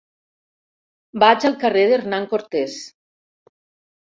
Vaig al carrer d'Hernán Cortés.